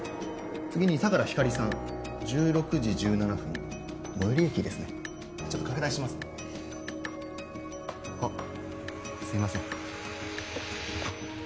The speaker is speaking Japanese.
次に相良光莉さん１６時１７分最寄り駅ですねあっちょっと拡大しますねあっすいません